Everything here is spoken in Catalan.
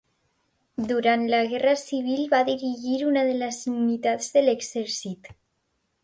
Durant la guerra civil va dirigir una de les unitats de l'exèrcit.